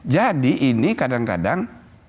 jadi ini kadang kadang